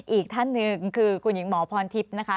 อีกท่านหนึ่งคือคุณหญิงหมอพรทิพย์นะคะ